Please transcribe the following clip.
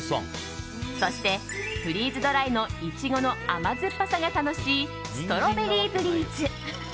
そしてフリーズドライのイチゴの甘酸っぱさが楽しいストロベリーブリーズ。